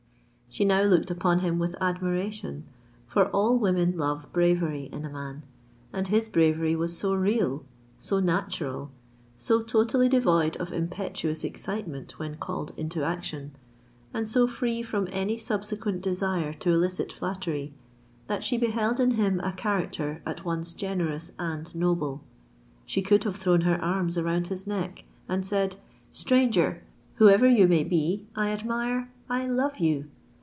She now looked upon him with admiration; for all women love bravery in a man;—and his bravery was so real—so natural—so totally devoid of impetuous excitement when called into action, and so free from any subsequent desire to elicit flattery,—that she beheld in him a character at once generous and noble. She could have thrown her arms round his neck, and said, "Stranger! whoever you may be, I admire—I love you!"